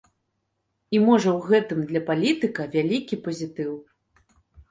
І, можа, у гэтым для палітыка вялікі пазітыў.